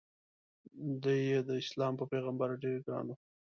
د ی داسلام په پیغمبر ډېر ګران و.